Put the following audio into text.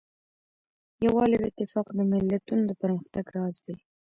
یووالی او اتفاق د ملتونو د پرمختګ راز دی.